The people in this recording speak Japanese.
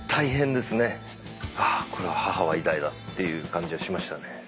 あこれは母は偉大だっていう感じはしましたね。